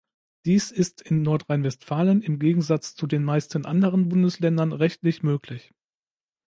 Dies ist in Nordrhein-Westfalen im Gegensatz zu den meisten anderen Bundesländern rechtlich möglich.